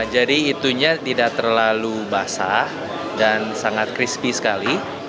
jadi itunya tidak terlalu basah dan sangat crispy sekali